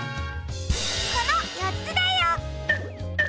このよっつだよ！